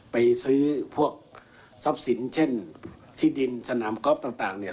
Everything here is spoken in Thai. ไปซื้อพวกทรัพย์สินเช่นที่ดินสนามกอล์ฟต่างเนี่ย